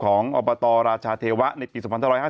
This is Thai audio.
ของอบตรราชาเทวะในปี๑๒๕๗